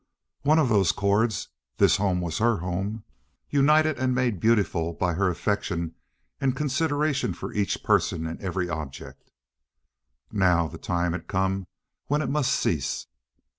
One of those chords—this home was her home, united and made beautiful by her affection and consideration for each person and every object. Now the time had come when it must cease.